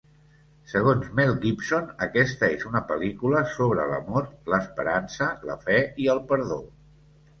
Segons Mel Gibson aquesta és una pel·lícula sobre l'amor, l'esperança la Fe i el perdó.